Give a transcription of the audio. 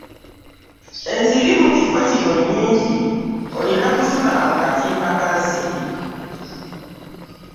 Ensiri mu kifo kino nnyingi olina kusula mu katimba ka nsiri.